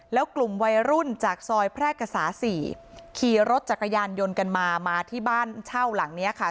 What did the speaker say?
แล้วกลุ่มวัยรุ่นจากซอยแพร่กษา๔ขี่รถจักรยานยนต์กันมามาที่บ้านเช่าหลังเนี้ยค่ะ